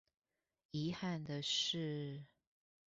遺憾的是